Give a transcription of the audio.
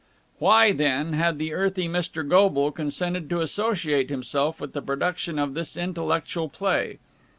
Why, then, had the earthy Mr. Goble consented to associate himself with the production of this intellectual play?